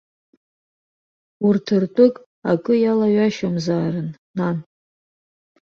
Урҭ ртәык акы иалаҩашьомзаарын, нан.